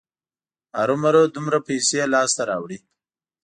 ارومرو دومره پیسې لاسته راوړي.